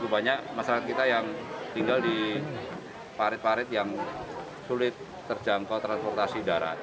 banyak masyarakat kita yang tinggal di parit parit yang sulit terjangkau transportasi darat